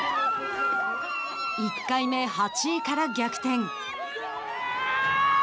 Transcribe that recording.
１回目、８位から逆転。